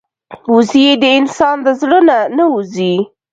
وزې د انسان د زړه نه نه وځي